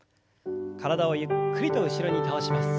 体をゆっくりと後ろに倒します。